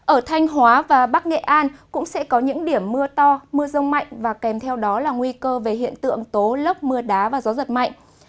ở thanh hóa và bắc nghệ an cũng sẽ có những điểm mưa to mưa rông mạnh và kèm theo đó là nguy cơ về hiện tượng tố lốc mưa đá và gió giật mạnh